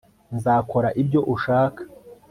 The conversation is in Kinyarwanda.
nzakora ibyo ushaka